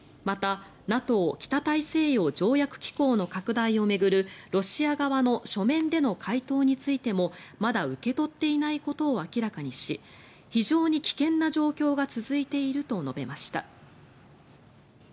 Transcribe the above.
また、ＮＡＴＯ・北大西洋条約機構の拡大を巡るロシア側の書面での回答についてもまだ受け取っていないことを明らかにし非常に危険な状況が続いていると述べました。